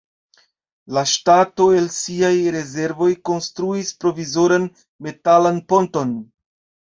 La ŝtato el siaj rezervoj konstruis provizoran metalan ponton.